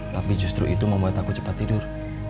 tapi justru itu membuat aku cepat tidur